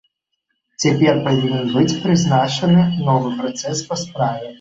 Цяпер павінен быць прызначаны новы працэс па справе.